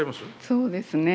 そうですね。